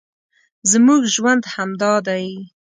زموږ ژوند همدا دی